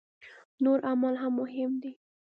نور اعمال هم مهم دي.